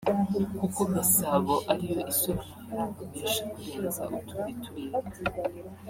kuko Gasabo ariyo isora amafaranga menshi kurenza utundi turere